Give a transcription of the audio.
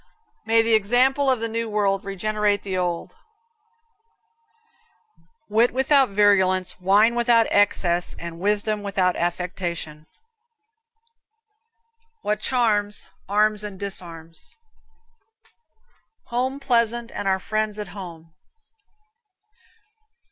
May the example of the new world regenerate the old. Wit without virulence, wine without excess, and wisdom without affectation. What charms, arms and disarms. Home pleasant, and our friends at home.